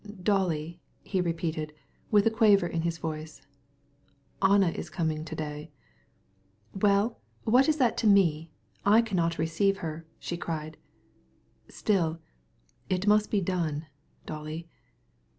"Dolly!" he repeated, with a quiver in his voice. "Anna is coming today." "Well, what is that to me? I can't see her!" she cried. "But you must, really, Dolly...."